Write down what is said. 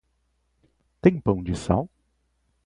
Tem pão de sal?